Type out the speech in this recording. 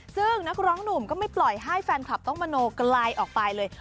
ซึ่งนักร้องหนุ่มก็ไม่ปล่อยให้แฟนคลับต้องมโนไกลออกไปเลย